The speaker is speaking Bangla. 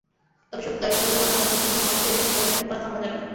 তবে শুধু দারিদ্র্য দূরীকরণের মাধ্যমে শিশুদের পথে জীবন যাপন করা থামানো যাবে না।